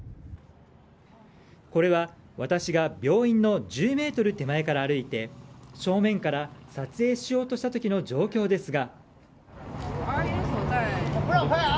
これは私が病院の１０ｍ手前から歩いて正面から撮影しようとした時の状況ですが。